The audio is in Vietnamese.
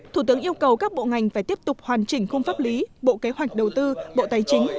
thủ tướng yêu cầu các bộ ngành phải tiếp tục hoàn chỉnh khung pháp lý bộ kế hoạch đầu tư bộ tài chính